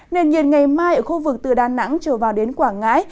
nền nhiệt ngày mai ở khu vực từ đà nẵng trở vào đến quảng ngãi